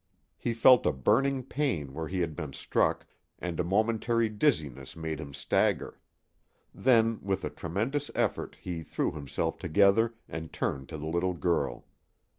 He felt a burning pain where he had been struck, and a momentary dizziness made him stagger. Then, with a tremendous effort, he threw himself together and turned to the little girl.